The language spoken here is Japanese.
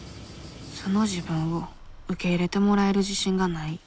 素の自分を受け入れてもらえる自信がない。